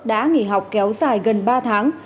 đã nghỉ học kéo dài gần ba tháng